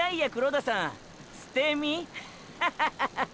ッハハハハ！